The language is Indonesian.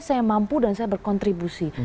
saya mampu dan saya berkontribusi